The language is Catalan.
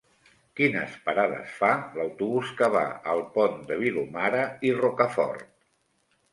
Quines parades fa l'autobús que va al Pont de Vilomara i Rocafort?